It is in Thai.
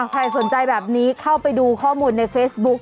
ใครสนใจแบบนี้เข้าไปดูข้อมูลในเฟซบุ๊ค